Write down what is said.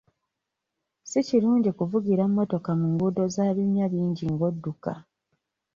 Si kirungi kuvugira mmotoka mu nguudo za binnya bingi ng'odduka.